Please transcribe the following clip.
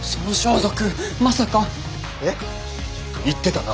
行ってたな？